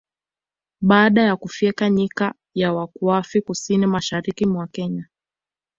Baada ya kufyeka Nyika ya Wakuafi kusini mashariki mwa Kenya